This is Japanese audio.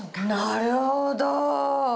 なるほど。